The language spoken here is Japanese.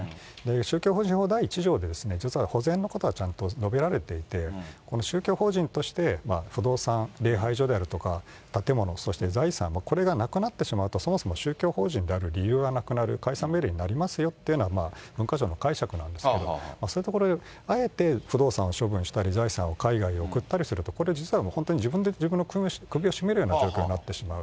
宗教法人法第１条で、実はほぜんのことはちゃんと述べられていて、宗教法人として不動産、礼拝所であるとか、建物、そして財産をこれがなくなってしまうと、そもそも宗教法人である理由がなくなる、解散命令になりますよっていうのが文化庁の解釈なんですけれども、そういうところ、あえて不動産を処分したり、財産を海外へ送ったりすると、これは実は自分で自分の首を絞めるような状況になってしまう。